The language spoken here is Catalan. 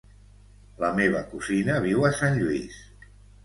La meva cosina viu a Sant Lluís.